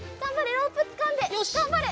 ロープつかんでがんばれ！